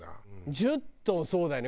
１０トンそうだよね。